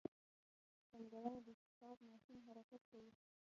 پانګونه د اقتصاد ماشین حرکت کوي.